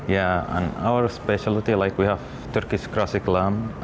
dan spesialitas kita seperti kita punya kacang klasik turki